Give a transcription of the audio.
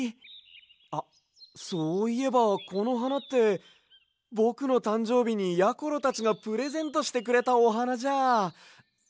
あっそういえばこのはなってぼくのたんじょうびにやころたちがプレゼントしてくれたおはなじゃ。